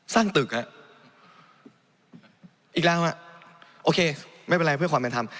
สร้างตึกอีกแล้วโอเคไม่เป็นไรเพื่อความเป็นธรรม